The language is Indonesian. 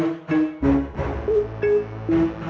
halo saya ke copetan